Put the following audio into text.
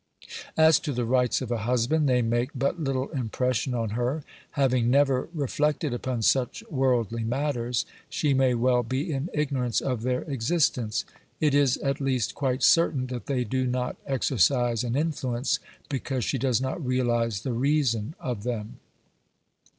As to the rights of a husband, they make but little impression on her ; having never reflected upon such worldly matters, she may well be in ignorance of their existence ; it is at least quite certain that they do not exer cise an influence, because she does not realise the reason of them.